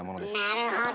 なるほど！